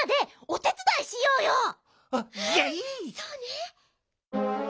そうね。